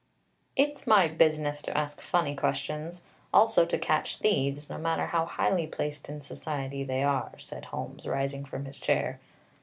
"It's my business to ask funny questions, also to catch thieves, no matter how highly placed in society they are," said Holmes, rising from his chair.